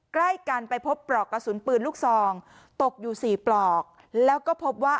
ใกล้กันไปพบปลอกกระสุนปืนลูกซองตกอยู่สี่ปลอกแล้วก็พบว่า